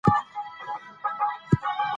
د افغانستان بچیانو جګړه کړې ده.